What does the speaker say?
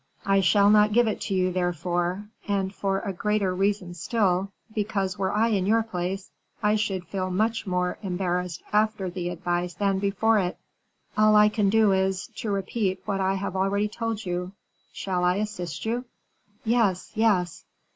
I shall not give it you, therefore; and for a greater reason still because, were I in your place, I should feel much more embarrassed after the advice than before it. All I can do is, to repeat what I have already told you; shall I assist you?" "Yes, yes."